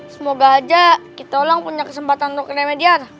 semoga aja kita orang punya kesempatan untuk remediar